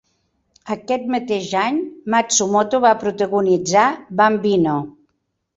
Aquest mateix any, Matsumoto va protagonitzar "Bambino!